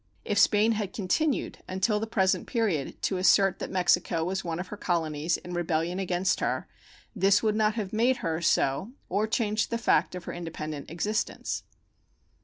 If Spain had continued until the present period to assert that Mexico was one of her colonies in rebellion against her, this would not have made her so or changed the fact of her independent existence.